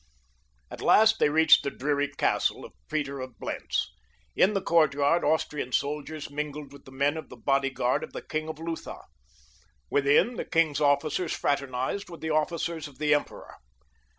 At last they reached the dreary castle of Peter of Blentz. In the courtyard Austrian soldiers mingled with the men of the bodyguard of the king of Lutha. Within, the king's officers fraternized with the officers of the emperor.